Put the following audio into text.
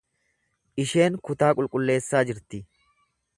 Isheen kutaa qulqulleessaa jirti.